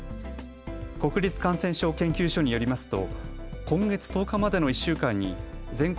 国立感染症研究所によりますと今月１０日までの１週間に全国